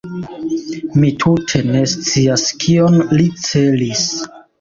Mi tute ne scias kion li celis.